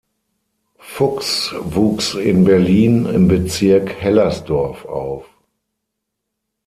Fuchs wuchs in Berlin im Bezirk Hellersdorf auf.